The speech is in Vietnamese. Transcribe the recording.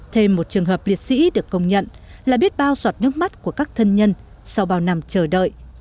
thêm một trường hợp liệt sĩ được công nhận là biết bao sọt nước mắt của các thân nhân sau bao năm chờ đợi